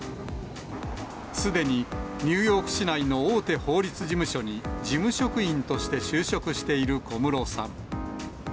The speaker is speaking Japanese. すでにニューヨーク市内の大手法律事務所に事務職員として就職している小室さん。